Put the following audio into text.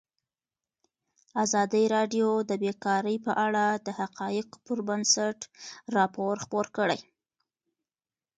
ازادي راډیو د بیکاري په اړه د حقایقو پر بنسټ راپور خپور کړی.